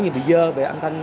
như bị dơ về âm thanh